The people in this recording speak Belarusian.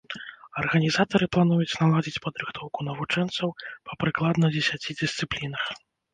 Арганізатары плануюць наладзіць падрыхтоўку навучэнцаў па прыкладна дзесяці дысцыплінах.